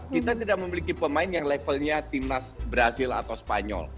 kita tidak memiliki pemain yang levelnya timnas brazil atau spanyol